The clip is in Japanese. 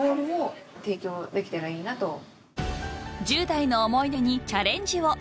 ［１０代の思い出にチャレンジを］